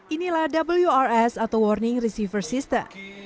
inilah wrs atau warning receiver system